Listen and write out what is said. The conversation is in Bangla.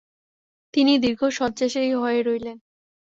তিনি দীর্ঘ শয্যাশায়ী হয়ে রইলেন।